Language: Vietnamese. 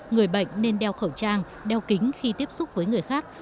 người bệnh nên đeo khẩu trang đeo kính khi tiếp xúc với người khác